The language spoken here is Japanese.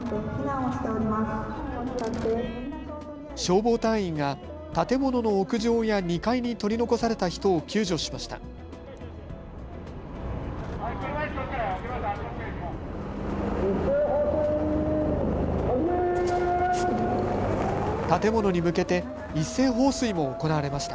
消防隊員が建物の屋上や２階に取り残された人を救助しました。